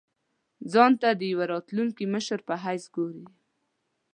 ځان ته د یوه راتلونکي مشر په حیث ګوري.